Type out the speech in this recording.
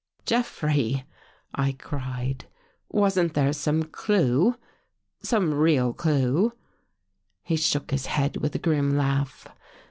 " Jeffrey," I cried, " wasn't there some clue — some real clue?" He shook his head with a grim laugh.